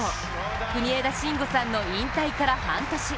国枝慎吾さんの引退から半年。